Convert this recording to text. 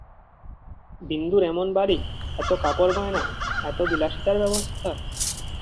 বিন্দুর এমন বাড়ি, এত কাপড়গয়না, এত বিলাসিতার ব্যবস্থা!